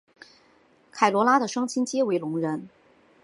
凯萝拉的双亲皆为聋人。